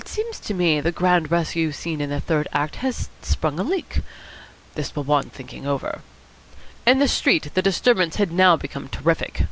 "It seems to me the grand rescue scene in the third act has sprung a leak. This will want thinking over." In the street the disturbance had now become terrific.